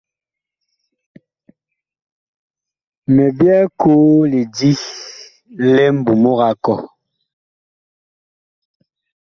Mi byɛɛ koo lidi li mbumug a kɔh.